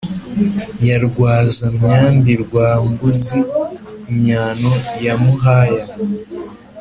ya rwaza-myambi rwa mbuz-imyano, ya muhaya